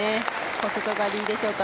小外刈りでしょうか。